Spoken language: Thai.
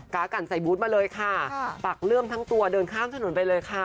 กันใส่บูธมาเลยค่ะปักเลื่อมทั้งตัวเดินข้ามถนนไปเลยค่ะ